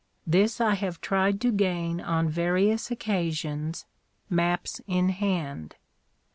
This I have tried to gain on various occa sions, maps in hand.